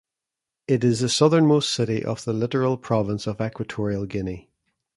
It is the southernmost city of the Littoral province of Equatorial Guinea.